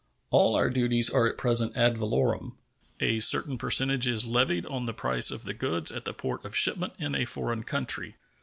All our duties are at present ad valorem. A certain percentage is levied on the price of the goods at the port of shipment in a foreign country.